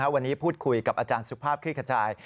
วันนี้พูดคุยกับอาจารย์สุภาพคลี่ขจาย